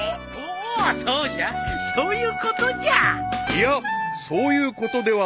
［いやそういうことではない］